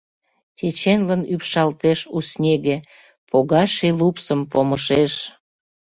Чеченлын ӱпшалтеш У снеге, Пога ший лупсым помышеш.